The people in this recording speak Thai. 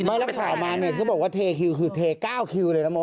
ไม่แล้วข่าวมาเนี่ยเขาบอกว่าเทคิวคือเท๙คิวเลยนะโม